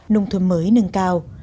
nông thuận mới nâng cao